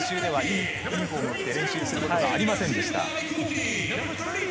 試合前は、ユニホームを着て連勝することはありませんでした。